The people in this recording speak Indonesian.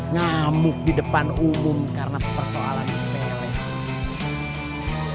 ngemuk di depan umum karena persoalan si p l